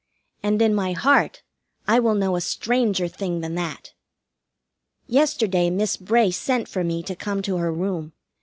and in my heart I will know a stranger thing than that. Yesterday Miss Bray sent for me to come to her room.